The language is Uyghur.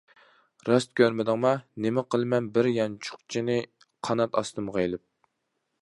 -راست كۆرمىدىڭما؟ -نېمە قىلىمەن بىر يانچۇقچىنى قانات ئاستىمغا ئېلىپ.